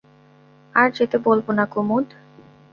আর যেতে বলব না কুমুদ।